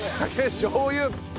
しょう油。